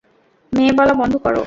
মেয়ে বলা বন্ধ কর।